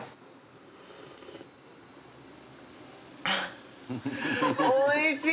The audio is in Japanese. あっおいしい！